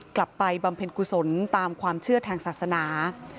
ผู้เสียชีวิตกลับไปบำเพ็ญกุศลตามความเชื่อทางศาสนา